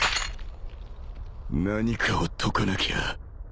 何かを解かなきゃ